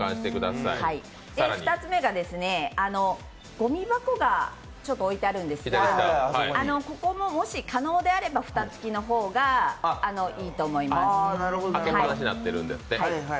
２つ目が、ごみ箱が置いてあるんですが、ここも、もし可能であれば、蓋付きの方がいいと思います。